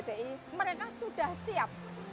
dari bdi mereka sudah siap